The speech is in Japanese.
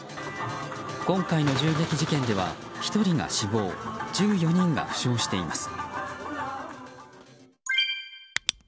今回の銃撃事件では、１人が死亡１４人が負傷しています。